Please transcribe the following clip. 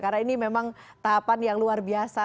karena ini memang tahapan yang luar biasa